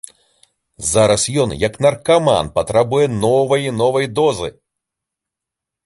Зараз ён, як наркаман, патрабуе новай і новай дозы.